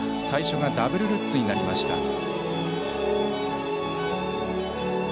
最初がダブルルッツになりました。